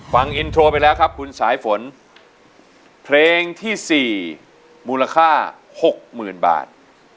ฟังอินโทรไปแล้วครับคุณสายฝนเพลงที่๔มูลค่า๖๐๐๐บาท